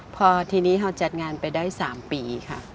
พอทีนี้ฮาวจัดงานไปได้สามปีค่ะ